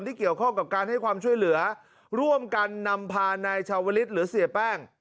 ที่เกี่ยวข้องกับการให้ความช่วยเหลือร่วมกันนำพานายชาวลิศหรือเสียแป้ง